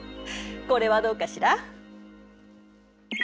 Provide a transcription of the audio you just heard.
これはどうかしら？